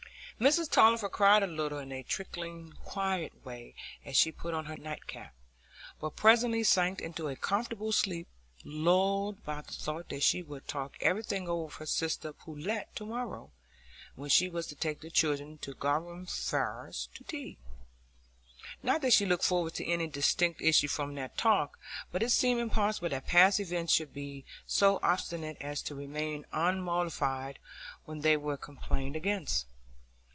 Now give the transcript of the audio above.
Mrs Tulliver cried a little in a trickling, quiet way as she put on her nightcap; but presently sank into a comfortable sleep, lulled by the thought that she would talk everything over with her sister Pullet to morrow, when she was to take the children to Garum Firs to tea. Not that she looked forward to any distinct issue from that talk; but it seemed impossible that past events should be so obstinate as to remain unmodified when they were complained against.